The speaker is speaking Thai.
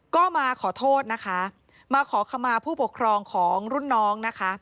ก็มาขอโทษนะคะมาขอขมาผู้ปกครองของรุ่นน้องนะคะ